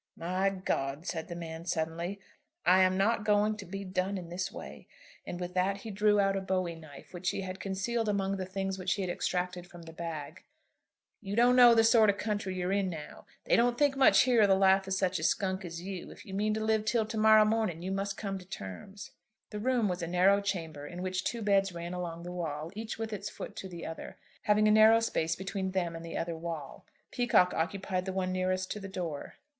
"My God," said the man suddenly, "I am not going to be done in this way." And with that he drew out a bowie knife which he had concealed among the things which he had extracted from the bag. "You don't know the sort of country you're in now. They don't think much here of the life of such a skunk as you. If you mean to live till to morrow morning you must come to terms." The room was a narrow chamber in which two beds ran along the wall, each with its foot to the other, having a narrow space between them and the other wall. Peacocke occupied the one nearest to the door.